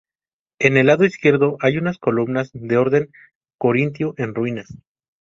En el lado izquierdo hay unas columnas de orden corintio en ruinas.